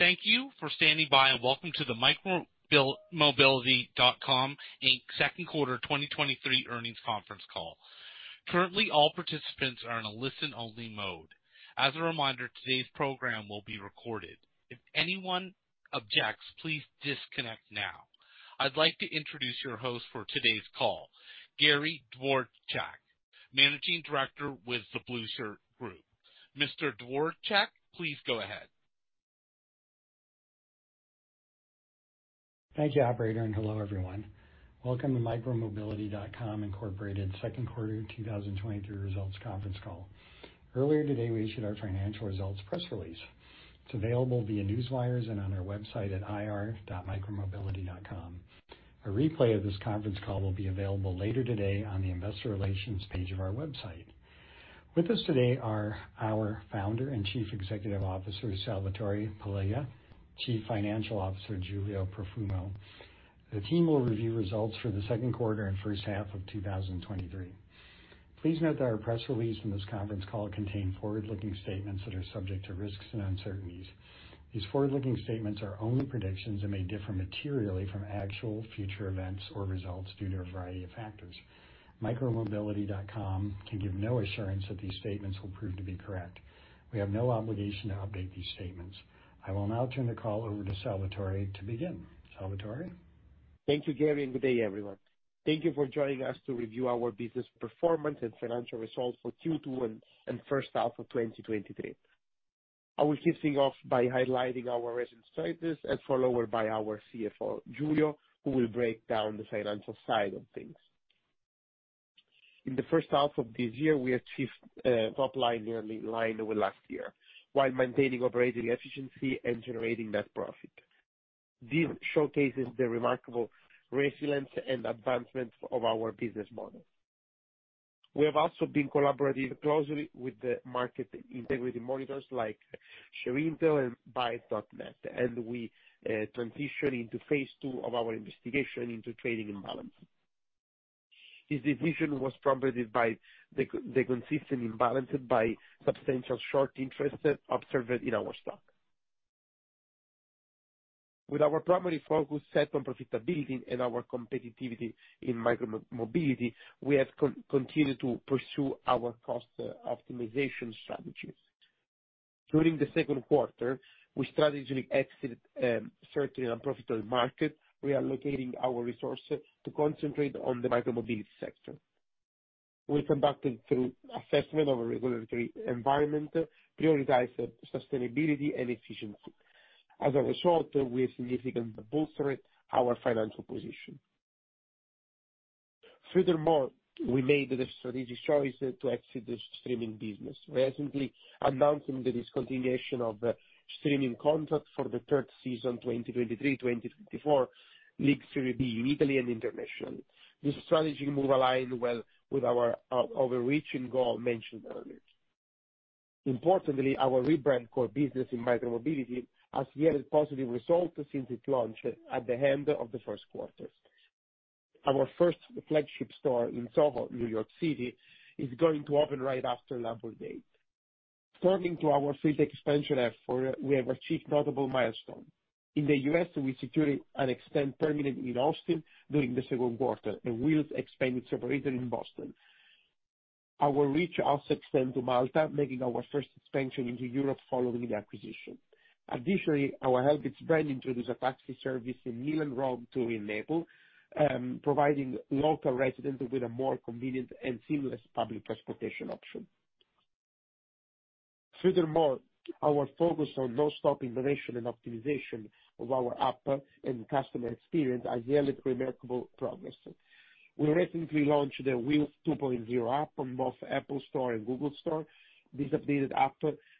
Thank you for standing by, and welcome to the micromobility.com Inc second quarter 2023 earnings conference call. Currently, all participants are in a listen-only mode. As a reminder, today's program will be recorded. If anyone objects, please disconnect now. I'd like to introduce your host for today's call, Gary Dvorchak, Managing Director with The Blueshirt Group. Mr. Dvorchak, please go ahead. Thank you, operator, and hello, everyone. Welcome to micromobility.com Incorporated second quarter 2023 results conference call. Earlier today, we issued our financial results press release. It's available via Newswires and on our website at ir.micromobility.com. A replay of this conference call will be available later today on the investor relations page of our website. With us today are our Founder and Chief Executive Officer, Salvatore Palella, Chief Financial Officer, Giulio Profumo. The team will review results for the second quarter and first half of 2023. Please note that our press release from this conference call contain forward-looking statements that are subject to risks and uncertainties. These forward-looking statements are only predictions and may differ materially from actual future events or results due to a variety of factors. micromobility.com can give no assurance that these statements will prove to be correct. We have no obligation to update these statements. I will now turn the call over to Salvatore to begin. Salvatore? Thank you, Gary, and good day, everyone. Thank you for joining us to review our business performance and financial results for Q2 and first half of 2023. I will kick things off by highlighting our recent status, and followed by our CFO, Giulio, who will break down the financial side of things. In the first half of this year, we achieved top line, nearly in line with last year, while maintaining operating efficiency and generating net profit. This showcases the remarkable resilience and advancement of our business model. We have also been collaborating closely with the market integrity monitors, like ShareIntel and BUYINS.NET, and we transition into Phase 2 of our investigation into trading imbalance. This decision was prompted by the consistent imbalance by substantial short interest observed in our stock. With our primary focus set on profitability and our competitivity in micromobility, we have continued to pursue our cost optimization strategies. During the second quarter, we strategically exited certain unprofitable markets, reallocating our resources to concentrate on the micromobility sector. We conducted thorough assessment of a regulatory environment, prioritize sustainability and efficiency. As a result, we have significantly bolstered our financial position. Furthermore, we made the strategic choice to exit the streaming business, recently announcing the discontinuation of the streaming contract for the third season, 2023/2024, Lega Serie B in Italy and international. This strategic move aligned well with our overarching goal mentioned earlier. Importantly, our rebrand core business in micromobility has yielded positive results since its launch at the end of the first quarter. Our first Flagship store in Soho, New York City, is going to open right after Labor Day. Turning to our fleet expansion effort, we have achieved notable milestone. In the U.S., we secured an extended permit in Austin during the second quarter, and we'll expand its operation in Boston. Our reach also extend to Malta, making our first expansion into Europe following the acquisition. Additionally, our Helbiz brand introduced a taxi service in Milan, Rome, Turin, Naples, providing local residents with a more convenient and seamless public transportation option. Furthermore, our focus on nonstop innovation and optimization of our app and customer experience has yielded remarkable progress. We recently launched the Wheels 2.0 app on both App Store and Google Store. This updated app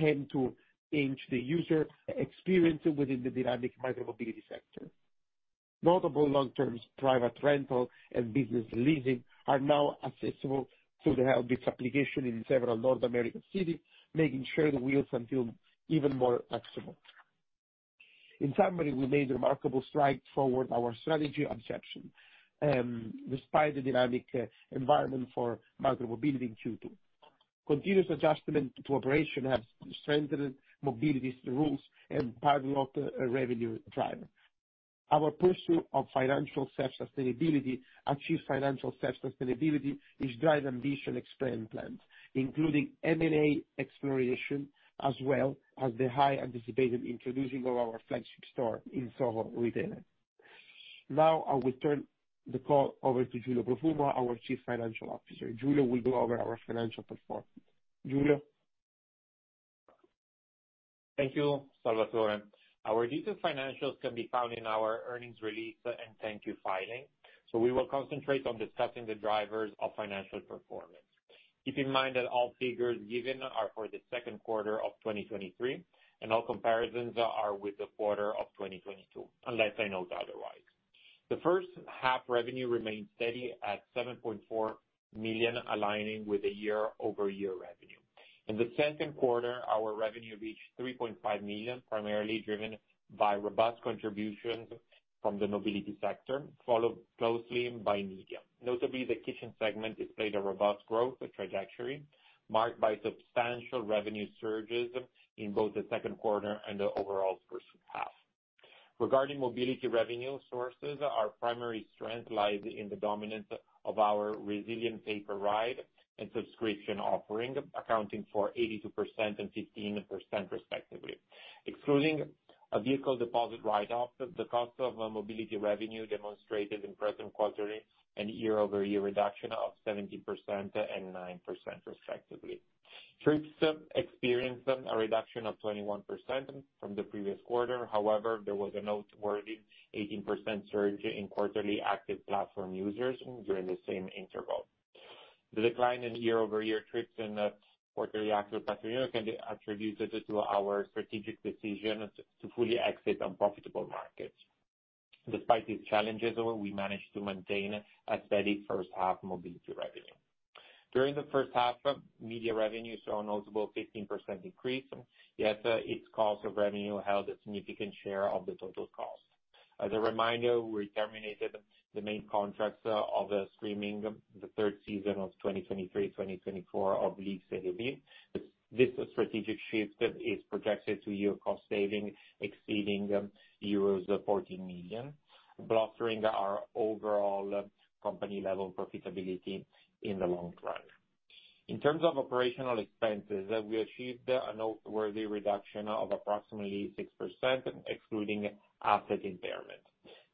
aim to change the user experience within the dynamic micromobility sector. Notable long-term private rental and business leasing are now accessible through the Helbiz application in several North American cities, making sure the Wheels units even more accessible. In summary, we made a remarkable stride toward our strategy objectives, despite the dynamic environment for micromobility in Q2. Continuous adjustment to operation have strengthened mobility rules and part of the revenue driver. Our pursuit of financial self-sustainability, achieve financial self-sustainability, is drive ambition expansion plans, including M&A exploration, as well as the high anticipated introducing of our flagship store in Soho, retailer. Now, I will turn the call over to Giulio Profumo, our Chief Financial Officer. Giulio will go over our financial performance. Giulio? Thank you, Salvatore. Our detailed financials can be found in our earnings release and 10-Q filing. We will concentrate on discussing the drivers of financial performance. Keep in mind that all figures given are for the second quarter of 2023, and all comparisons are with the quarter of 2022, unless I note otherwise. The first half revenue remained steady at $7.4 million, aligning with the year-over-year revenue. In the second quarter, our revenue reached $3.5 million, primarily driven by robust contributions from the mobility sector, followed closely by media. Notably, the kitchen segment displayed a robust growth, a trajectory marked by substantial revenue surges in both the second quarter and the overall first half. Regarding mobility revenue sources, our primary strength lies in the dominance of our resilient pay-per-ride and subscription offering, accounting for 82% and 15% respectively. Excluding a vehicle deposit write-off, the cost of mobility revenue demonstrated in present quarterly and year-over-year reduction of 17% and 9% respectively. Trips experienced a reduction of 21% from the previous quarter. However, there was a noteworthy 18% surge in Quarterly Active Platform Users during the same interval. The decline in year-over-year trips and Quarterly Active Platform can be attributed to our strategic decision to fully exit unprofitable markets. Despite these challenges, we managed to maintain a steady first half mobility revenue. During the first half, media revenues saw a notable 15% increase, yet its cost of revenue held a significant share of the total cost. As a reminder, we terminated the main contracts of streaming the third season of 2023/2024 of Lega Serie B. This strategic shift is projected to yield cost saving exceeding euros 14 million, bolstering our overall company level profitability in the long run. In terms of operational expenses, we achieved a noteworthy reduction of approximately 6%, excluding asset impairment.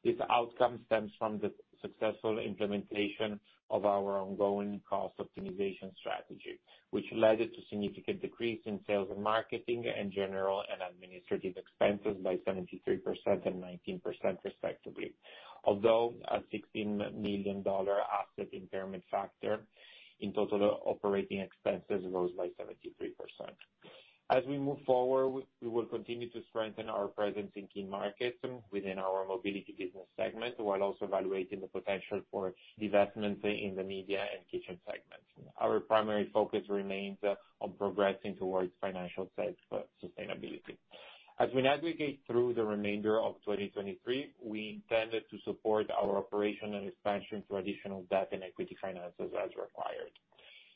This outcome stems from the successful implementation of our ongoing cost optimization strategy, which led to significant decrease in sales and marketing and general and administrative expenses by 73% and 19% respectively. Although a $16 million asset impairment factor in total operating expenses rose by 73%. As we move forward, we will continue to strengthen our presence in key markets within our mobility business segment, while also evaluating the potential for divestment in the media and kitchen segments. Our primary focus remains on progressing towards financial sustainability. As we navigate through the remainder of 2023, we intend to support our operation and expansion through additional debt and equity financing as required.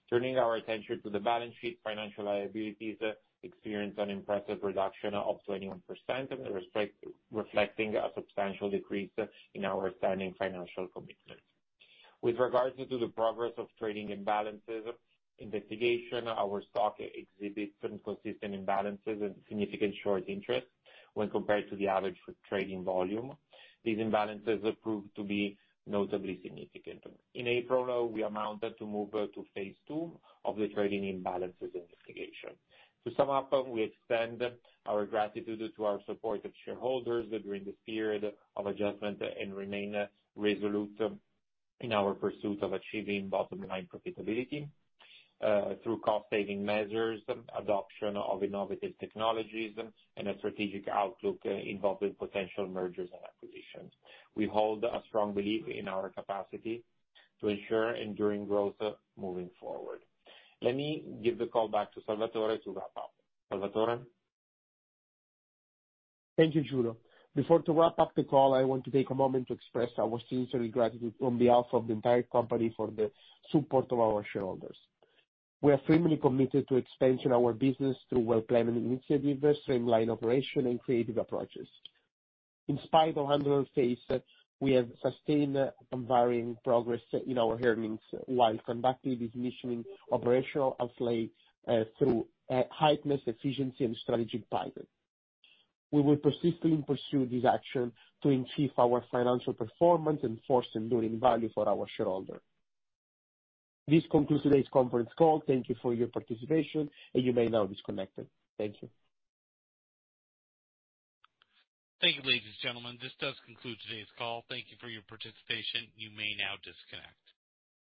Turning our attention to the balance sheet, financial liabilities experienced an impressive reduction of 21%, reflecting a substantial decrease in our standing financial commitments. With regards to the progress of trading imbalances investigation, our stock exhibits some consistent imbalances and significant short interest when compared to the average trading volume. These imbalances proved to be notably significant. In April, we amounted to move to Phase 2 of the trading imbalances investigation. To sum up, we extend our gratitude to our supportive shareholders during this period of adjustment and remain resolute in our pursuit of achieving bottom line profitability, through cost saving measures, adoption of innovative technologies, and a strategic outlook involving potential mergers and acquisitions. We hold a strong belief in our capacity to ensure enduring growth moving forward. Let me give the call back to Salvatore to wrap up. Salvatore? Thank you, Giulio. Before to wrap up the call, I want to take a moment to express our sincere gratitude on behalf of the entire company for the support of our shareholders. We are firmly committed to expansion our business through well-planned initiatives, streamline operation, and creative approaches. In spite of handling phase, we have sustained unwavering progress in our hearings while conducting this mission operational outlay, through heightened efficiency and strategic pilot. We will persistently pursue this action to achieve our financial performance and foster enduring value for our shareholders. This concludes today's conference call. Thank you for your participation, and you may now disconnect. Thank you. Thank you, ladies and gentlemen. This does conclude today's call. Thank you for your participation. You may now disconnect.